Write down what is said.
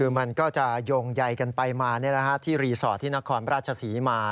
คือมันก็จะย่งใหญ่กันไปมาที่รีสอร์ตที่นครราชสีมา